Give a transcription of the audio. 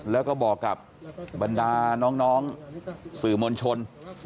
แล้วก็บอกกับบรรดาน้องสื่อมวลชน